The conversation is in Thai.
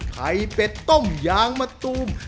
เป็ดต้มยางมะตูม